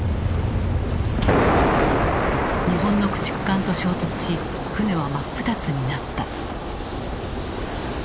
日本の駆逐艦と衝突し船は真っ二つになった。